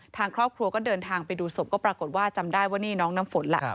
ทางครอบครัวก็เดินทางไปดูศพก็ปรากฏว่าจำได้ว่านี่น้องน้ำฝนล่ะ